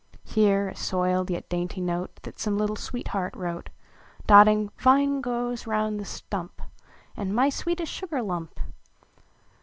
Here a soiled, yet daintv note, That some little sweetheart wrote. Dotting, "\ ine grows round the stum]). And " My s\\"eetest sugar lump!"